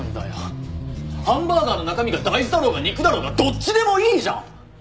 ハンバーガーの中身が大豆だろうが肉だろうがどっちでもいいじゃん！